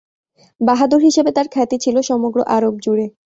বাহাদুর হিসেবে তার খ্যাতি ছিল সমগ্র আরব জুড়ে।